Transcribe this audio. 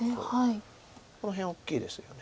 この辺大きいですよね。